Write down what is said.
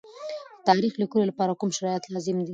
د تاریخ لیکلو لپاره کوم شرایط لازم دي؟